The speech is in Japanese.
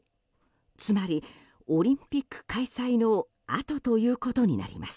つまりオリンピック開催のあとということになります。